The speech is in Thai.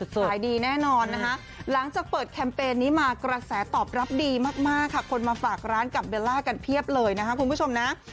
ขายดีแน่นอนนะคะหลังจากเปิดแคมเปญนี้มากระแสตอบรับดีมากค่ะคนมาฝากร้านกับเบลล่ากันเพียบเลยนะคะคุณผู้ชมนะ